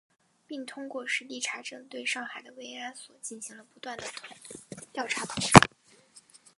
并通过实地查证，对上海的慰安所进行了不断地调查统计